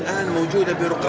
yang membuat indonesia